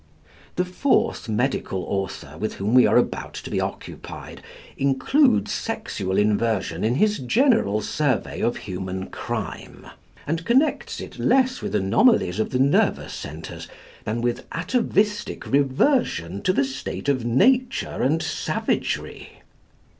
The fourth medical author, with whom we are about to be occupied, includes sexual inversion in his general survey of human crime, and connects it less with anomalies of the nervous centres than with atavistic reversion to the state of nature and savagery.